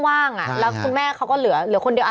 แล้วก็คุณแม่เขาก็เหลือคนเดียว